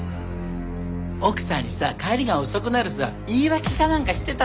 奥さんにさ帰りが遅くなるさ言い訳かなんかしてたのよ。